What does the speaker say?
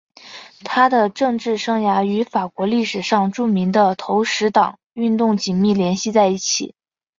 他的政治生涯与法国历史上著名的投石党运动紧密联系在一起。